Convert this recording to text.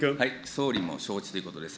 総理も承知ということです。